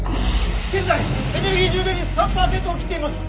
「現在エネルギー充電率３％を切っています」。